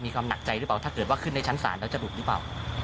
ความหนักใจหรือเปล่าถ้าเกิดว่าขึ้นในชั้นศาลแล้วจะหลุดหรือเปล่า